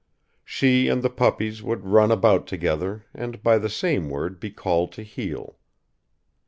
She and the puppies would run about together and by the same word be called to heel.